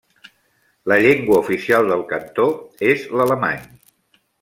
La llengua oficial del cantó és l'alemany.